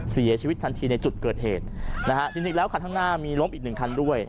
เสียชีวิตทันทีในจุดเกิดเหตุนะฮะจริงจริงแล้วคันข้างหน้ามีล้มอีกหนึ่งคันด้วย